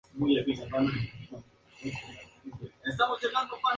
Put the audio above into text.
El álbum debutó en el número uno en el Reino Unido.